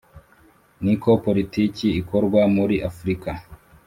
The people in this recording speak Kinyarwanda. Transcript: ni ko politiki ikorwa muri afurika.